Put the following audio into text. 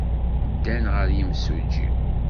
Ddan ɣer yimsujji.